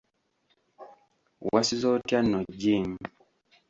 Wasuze otya nno Jim?